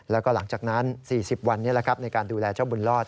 แล้วก็หลังจากนั้น๔๐วันนี้ในการดูแลเจ้าบุญรอด